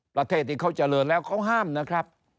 ประเทศที่เขาเจริญแล้วเขาห้ามนะครับ